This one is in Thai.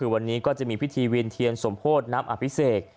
วันนี้ก็จะมีพิธีเวียนเทียนสมโพธิน้ำอภิเษก